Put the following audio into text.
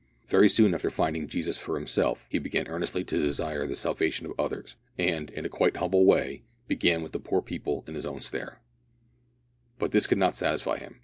Very soon after finding Jesus for himself, he began earnestly to desire the salvation of others, and, in a quiet humble way, began with the poor people in his own stair. But this could not satisfy him.